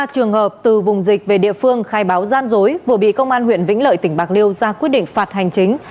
ba trường hợp từ vùng dịch về địa phương khai báo gian dối vừa bị công an huyện vĩnh lợi tỉnh bạc liêu ra quyết định phạt hành chính